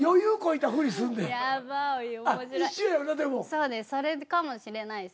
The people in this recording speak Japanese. それかもしれないですね。